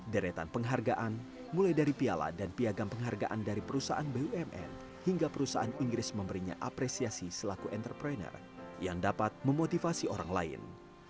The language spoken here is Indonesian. deretan penghargaan mulai dari piala dan piagam penghargaan dari perusahaan bumn hingga perusahaan inggris memberinya apresiasi selaku entrepreneur yang dapat memotivasi orang lain